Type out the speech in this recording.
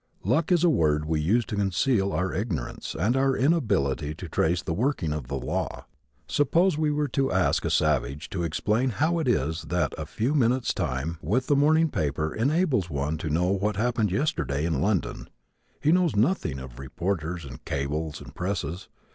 Luck is a word we use to conceal our ignorance and our inability to trace the working of the law. Suppose we were to ask a savage to explain how it is that a few minutes' time with the morning paper enables one to know what happened yesterday in London. He knows nothing of reporters and cables and presses.